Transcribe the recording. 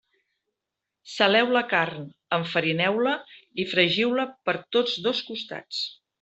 Saleu la carn, enfarineu-la i fregiu-la per tots dos costats.